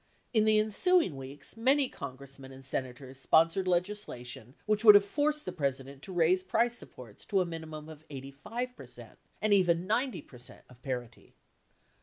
In the ensuing weeks many Congressmen and Senators spon sored legislation which would have forced the President to raise price supports to a minimum of 85% (and even 90%) of parity.